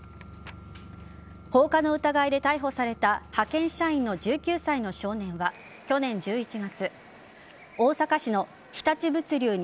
放火の疑いで逮捕された派遣社員の１９歳の少年は去年１１月大阪市の日立物流